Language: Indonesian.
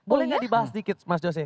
boleh gak dibahas dikit mas jose